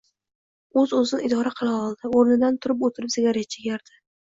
Oʻz oʻzini idora qila oldi. Oʻrnidan turib-oʻtirib sigaret chekardi.